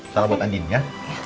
salam buat andin ya